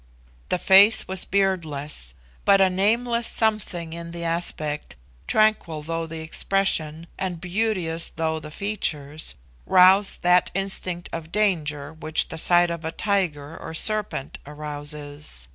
The face was beardless; but a nameless something in the aspect, tranquil though the expression, and beauteous though the features, roused that instinct of danger which the sight of a tiger or serpent arouses.